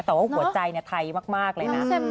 แต่ว่าหัวใจไทยมากเลยนะ